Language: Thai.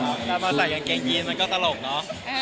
แล้วมันใส่จางเกงยีนมันก็สะลบเนาะ